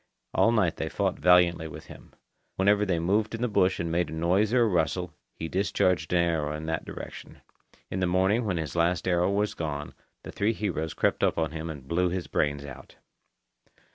All night they fought valiantly with him. Whenever they moved in the bush and made a noise or a rustle, he discharged an arrow in that direction. In the morning, when his last arrow was gone, the three heroes crept up to him and blew his brains out.